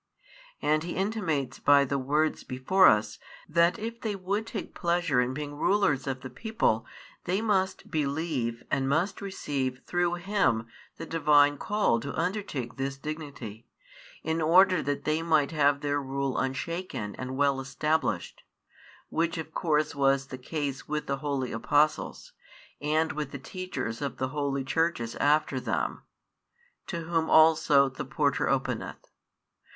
And He intimates by the words before us, that if they would take pleasure in being rulers of the people they must believe and must receive through Him the Divine call to undertake this dignity, in order that they might have their rule unshaken and well established; which of course was the case with the holy Apostles, and with the Teachers of the holy Churches after them; to whom also the porter openeth.